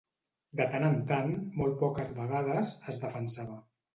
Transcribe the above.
De tant en tant, molt poques vegades, es defensava.